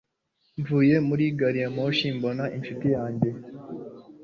Mvuye muri gari ya moshi mbona inshuti yanjye